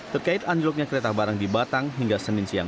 terkait anjloknya kereta barang di batang hingga senin siang